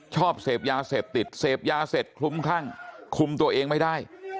ชอบเสพยาเสพติดเสพยาเสร็จคลุ้มคลั่งคุมตัวเองไม่ได้